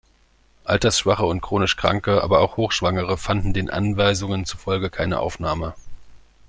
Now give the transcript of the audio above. Altersschwache und chronisch Kranke, aber auch Hochschwangere fanden den Anweisungen zufolge keine Aufnahme.